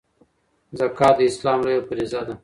زکات د اسلام لویه فریضه ده.